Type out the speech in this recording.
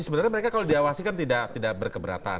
sebenarnya mereka kalau diawasi kan tidak berkeberatan